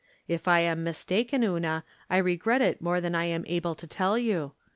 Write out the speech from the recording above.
" If I am mistaken, Una, I regret it more than I am able to tell you.